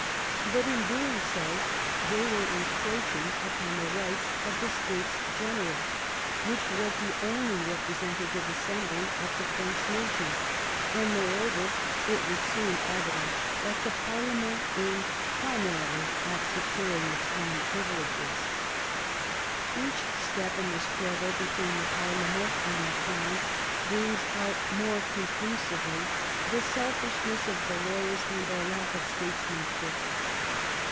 But in doing so they were encroaching upon the rights of the States General, which was the only representative assembly of the French nation. And, moreover, it was soon evident that the pa/rlement aimed IV THE PARLIAMENTARY FRONDE 67 primarily at securing its own privileges. Each step in the struggle between the parlemerU and the crown brings out more conclusively the selfishness of the lawyers and their lack of statesmanship.